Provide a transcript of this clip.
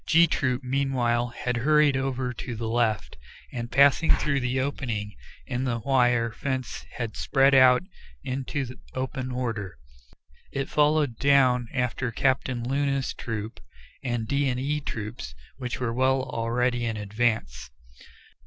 G Troop meanwhile had hurried over to the left, and passing through the opening in the wire fence had spread out into open order. It followed down after Captain Luna's troop and D and E Troops, which were well already in advance.